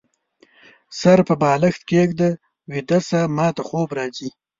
سر په بالښت کيږده ، ويده شه ، ماته خوب راځي